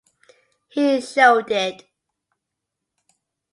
He showed it.